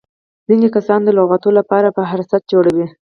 ځيني کسان د لغاتو له پاره فهرست جوړوي.